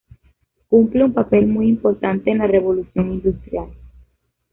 Cumple un papel muy importante en la Revolución Industrial.